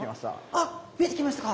あっ見えてきましたか！